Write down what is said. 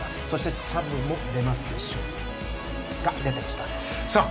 そしてサブも出ました。